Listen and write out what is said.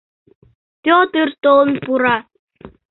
Пӧтыр толын пура.